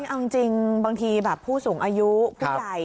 เอาจริงบางทีแบบผู้สูงอายุผู้ใหญ่